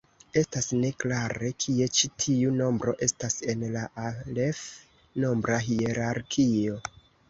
Estas ne klare kie ĉi tiu nombro estas en la alef-nombra hierarkio.